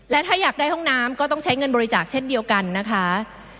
และถ้าอยากได้ห้องน้ำก็ต้องใช้เงินบริจาคเช่นเดียวกันนะคะ